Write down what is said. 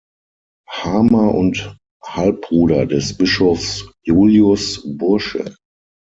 Harmer und Halbbruder des Bischofs Juliusz Bursche.